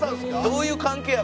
「どういう関係や？